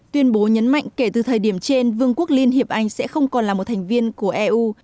tuyên bố nhấn mạnh kể từ thời điểm trên vương quốc liên hiệp anh sẽ không còn là một thành viên của eu